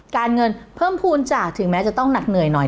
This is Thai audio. การเงินเพิ่มภูมิจากถึงแม้จะต้องหนักเหนื่อยหน่อย